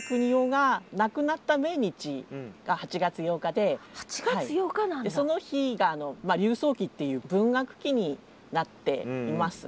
でその日が柳叟忌っていう文学忌になっています。